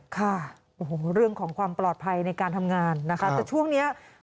ค่ะโอ้โหเรื่องของความปลอดภัยในการทำงานนะคะแต่ช่วงนี้